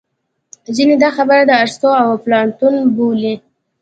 ځینې دا خبره د ارستو او اپلاتون بولي